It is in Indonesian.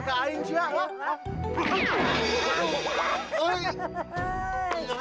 aku akan bantu dari jauh